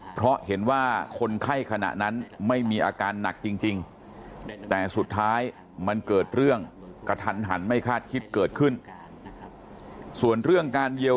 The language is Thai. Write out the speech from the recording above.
เพราะเห็นว่าคนไข้ขนาดนั้นไม่มีอาการหนักจริง